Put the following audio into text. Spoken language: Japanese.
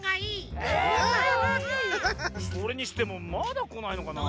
それにしてもまだこないのかなぁ。